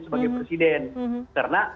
sebagai presiden karena